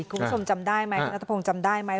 คุณผู้ชมจำได้ไหมคณะตะโพงจำได้ไหม